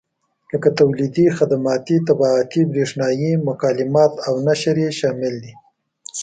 لکه تولیدي، خدماتي، طباعتي، برېښنایي مکالمات او نشر یې شامل دي.